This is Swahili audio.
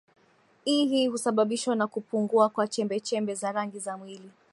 i hii husababishwa na kupungua kwa chembe chembe za rangi za mwili